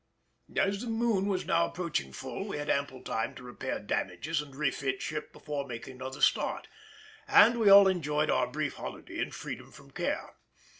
As the moon was now approaching full, we had ample time to repair damages and refit ship before making another start, and we all enjoyed our brief holiday and freedom from care.